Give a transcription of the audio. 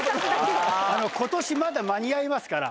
今年まだ間に合いますから。